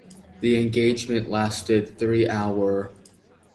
The engagement lasted three hour.